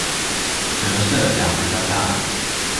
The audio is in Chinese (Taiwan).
折射角比較大